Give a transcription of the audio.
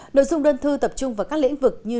nội dung đơn thư tập trung vào các lĩnh vực như